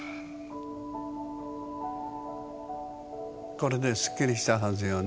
これでスッキリしたはずよね。